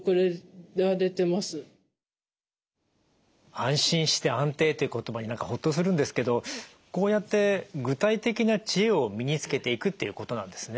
安心して安定って言葉に何かホッとするんですけどこうやって具体的な知恵を身につけていくっていうことなんですね。